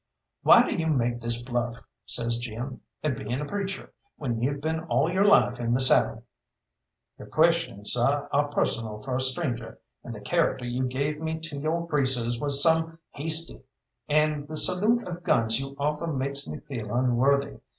"Why do you make this bluff," says Jim, "at being a preacher, when you've been all your life in the saddle?" "Yo' questions, seh, are personal for a stranger, and the character you gave me to yo' greasers was some hasty, and the salute of guns you offer makes me feel unworthy.